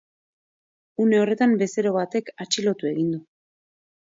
Une horretan, bezero batek atxilotu egin du.